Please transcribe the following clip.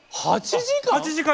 ８時間！？